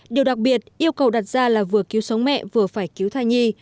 điều đặc biệt yêu cầu đặt ra là vừa cứu sống mẹ vừa phải cứu thai nhi